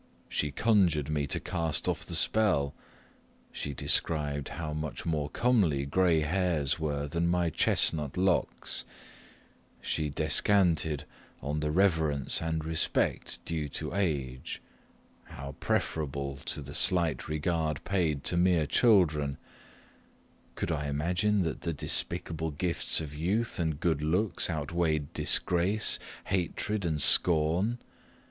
She conjured me to cast off the spell; she described how much more comely grey hairs were than my chestnut locks; she descanted on the reverence and respect due to age how preferable to the slight regard paid to mere children: could I imagine that the despicable gifts of youth and good looks outweighed disgrace, hatred, and scorn?